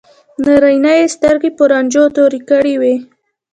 نارینه یې سترګې په رنجو تورې کړې وي.